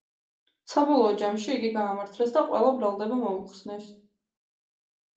საბოლოო ჯამში იგი გაამართლეს და ყველა ბრალდება მოუხსნეს.